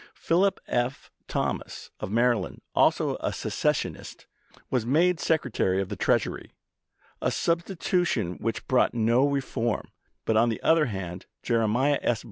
Philip F. Thomas, of Maryland, also a secessionist, was made Secre tary of the Treasury, a substitution which brought no reform ; but on the other hand Jeremiah S.